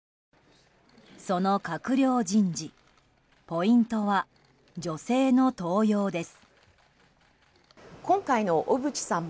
その閣僚人事ポイントは女性の登用です。